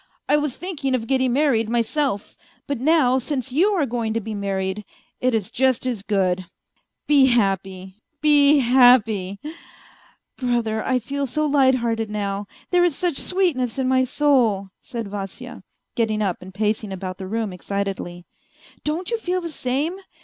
I was thinking of getting married myself; but now since you are going to be married, it is just as good ! Be happy, be happy !..."" Brother, I feel so lighthearted now, there is such sweetness in my soul ..." said Vasya, getting up and pacing about the room excitedly. " Don't you feel the same